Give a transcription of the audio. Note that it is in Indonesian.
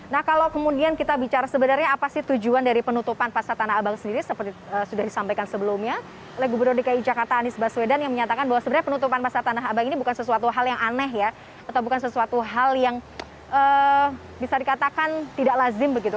nah kalau kemudian kita bicara sebenarnya apa sih tujuan dari penutupan pasar tanah abang sendiri seperti sudah disampaikan sebelumnya oleh gubernur dki jakarta anies baswedan yang menyatakan bahwa sebenarnya penutupan pasar tanah abang ini bukan sesuatu hal yang aneh ya atau bukan sesuatu hal yang bisa dikatakan tidak lazim begitu